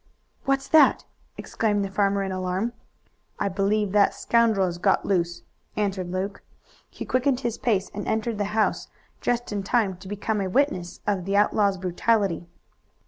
"What's that?" exclaimed the farmer in alarm. "I believe that scoundrel has got loose," answered Luke. He quickened his pace and entered the house just in time to become a witness of the outlaw's brutality.